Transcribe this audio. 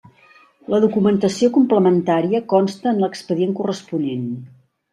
La documentació complementària consta en l'expedient corresponent.